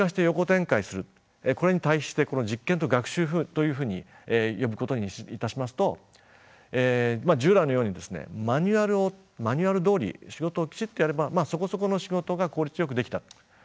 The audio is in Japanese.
これに対してこの実験と学習というふうに呼ぶことにいたしますと従来のようにマニュアルどおり仕事をきちっとやればそこそこの仕事が効率よくできた。